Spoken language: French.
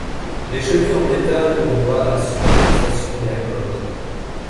Des chevilles en métal ou en bois assurent fixation et accord.